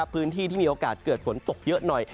พื้นที่ที่มีโอกาสเกิดฝนตกเยอะหน่อย